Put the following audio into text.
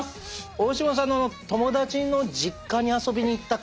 大島さんの友達の実家に遊びに行った感。